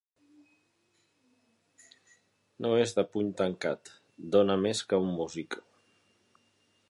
No és de puny tancat: dóna més que un músic.